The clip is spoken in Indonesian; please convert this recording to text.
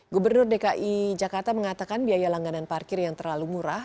gubernur dki jakarta mengatakan biaya langganan parkir yang terlalu murah